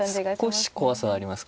少し怖さはあります。